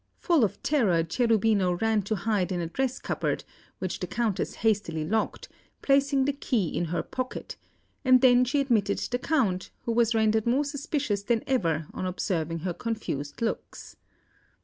Full of terror Cherubino ran to hide in a dress cupboard, which the Countess hastily locked, placing the key in her pocket; and then she admitted the Count, who was rendered more suspicious than ever on observing her confused looks.